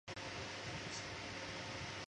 温达特语属于易洛魁语系。